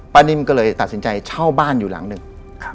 นิ่มก็เลยตัดสินใจเช่าบ้านอยู่หลังหนึ่ง